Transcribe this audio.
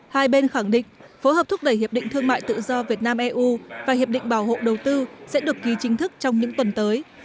hai bên khẳng định phối hợp thúc đẩy hiệp định thương mại tự do việt nam eu và hiệp định bảo hộ đầu tư sẽ được ký chính thức trong những tuần tới